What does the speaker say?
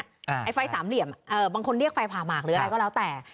ไอ้ไฟสามเหลี่ยมเอ่อบางคนเรียกไฟผ่าหมากหรืออะไรก็แล้วแต่